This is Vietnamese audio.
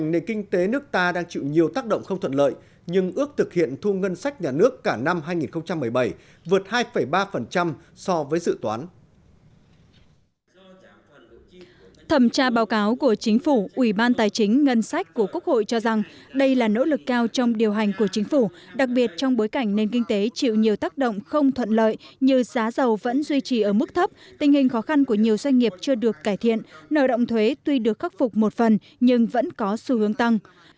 thẩm tra báo cáo của chính phủ ủy ban tài chính ngân sách của quốc hội cho rằng đây là nỗ lực cao trong điều hành của chính phủ đặc biệt trong bối cảnh nền kinh tế chịu nhiều tác động không thuận lợi như giá giàu vẫn duy trì ở mức thấp tình hình khó khăn của nhiều doanh nghiệp chưa được cải thiện nợ động thuế tuy được khắc phục một phần nhưng vẫn có xu hướng tăng